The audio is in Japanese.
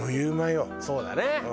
そうだね。